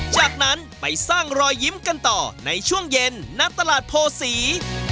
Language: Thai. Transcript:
จากนั้นไปสร้างรอยยิ้มกันต่อในช่วงเย็นณตลาดโพศี